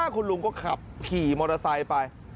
คุณลุงก็ขับขี่มอเตอร์ไซค์ไป